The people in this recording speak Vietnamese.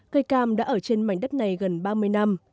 cây cam đã ở trên mảnh đất này gần ba mươi năm